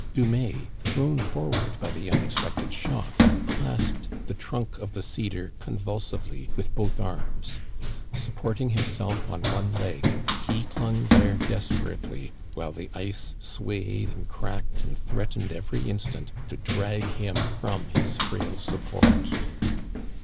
Dumais, thrown forward by the unexpected shock, clasped the trunk of the cedar convulsively with both arms. Supporting himself on one leg, he clung there desperately while the ice swayed and cracked and threat ened every instant to drag him from his frail support.